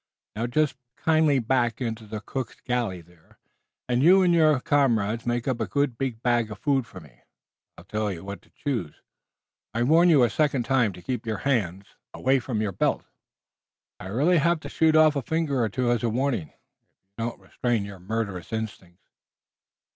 Now, just kindly back into the cook's galley there, and you and your comrades make up a good big bag of food for me. I'll tell you what to choose. I warn you a second time to keep your hands away from your belt. I'll really have to shoot off a finger or two as a warning, if you don't restrain your murderous instincts.